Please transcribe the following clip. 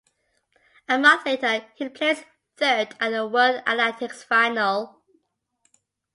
A month later he placed third at the World Athletics Final.